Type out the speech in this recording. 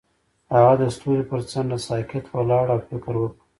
هغه د ستوري پر څنډه ساکت ولاړ او فکر وکړ.